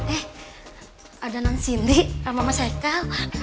eh ada nang sini ramah masyikal